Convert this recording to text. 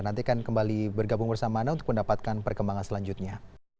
nantikan kembali bergabung bersama anda untuk mendapatkan perkembangan selanjutnya